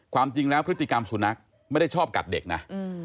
ความจริงแล้วพฤติกรรมสุนัขไม่ได้ชอบกัดเด็กนะ